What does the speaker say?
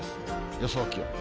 予想気温。